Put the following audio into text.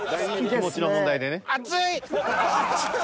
気持ちの問題でね。